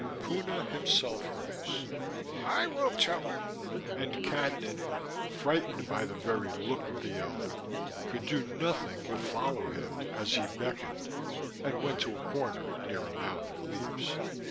Puna himself rose. "I will tell him." And Cadnan, frightened by the very look of the elder, could do nothing but follow him as he beckoned and went to a corner near a mound of leaves.